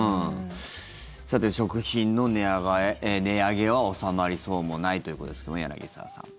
さて、食品の値上げは収まりそうもないということですが、柳澤さん。